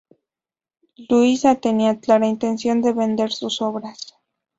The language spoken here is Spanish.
Lluïsa tenía clara intención de vender sus obras.